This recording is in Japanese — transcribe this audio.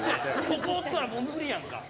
ここおったら無理やんか！